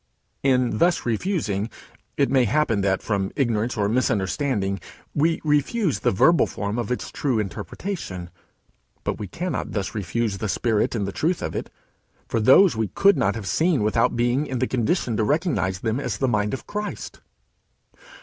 In thus refusing, it may happen that, from ignorance or misunderstanding, we refuse the verbal form of its true interpretation, but we cannot thus refuse the spirit and the truth of it, for those we could not have seen without being in the condition to recognize them as the mind of Christ.